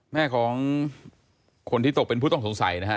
แม่ของคนที่ตกเป็นผู้ต้องสงสัยนะฮะ